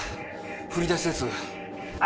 振り出しです。